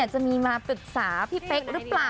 จะมีมาปรึกษาพี่เป๊กหรือเปล่า